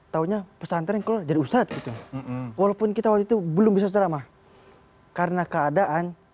taunya pesantren kalau jadi ustadz gitu walaupun kita waktu itu belum bisa seramah karena keadaan